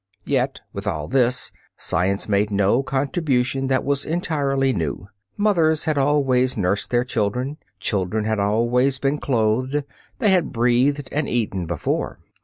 Yet with all this, science made no contribution that was entirely new. Mothers had always nursed their children, children had always been clothed, they had breathed and eaten before.